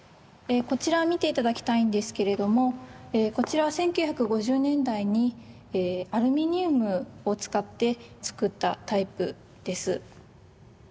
こちら見て頂きたいんですけれどもこちらは１９５０年代にアルミニウムを使って作ったタイプです。